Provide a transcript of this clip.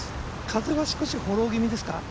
風は少しフォロー気味ですか？